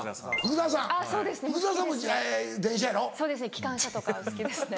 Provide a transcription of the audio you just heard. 機関車とかお好きですね。